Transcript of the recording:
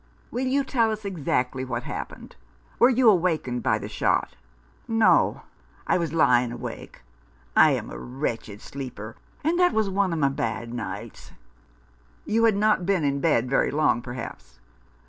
" Will you tell us exactly what happened ? Were you awakened by the shot ?" "No — I was lying awake — I am a wretched sleeper, and that was one of my bad nights." "You had not been in bed very long, perhaps?"